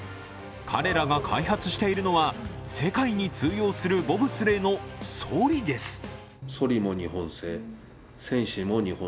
彼らが開発しているのは世界に通用するボブスレーのそりです。